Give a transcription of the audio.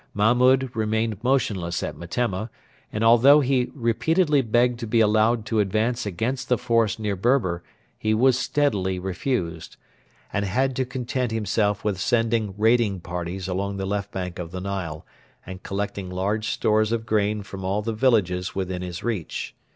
Mahmud remained motionless at Metemma; and although he repeatedly begged to be allowed to advance against the force near Berber he was steadily refused, and had to content himself with sending raiding parties along the left bank of the Nile, and collecting large stores of grain from all the villages within his reach.